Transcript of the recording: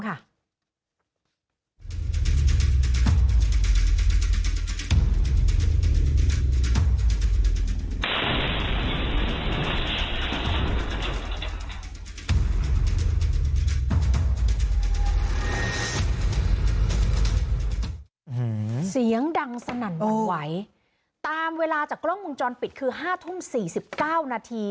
เสียงดังสนั่นหวั่นไหวตามเวลาจากกล้องวงจรปิดคือห้าทุ่มสี่สิบเก้านาที